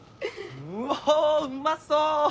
うほうまそう！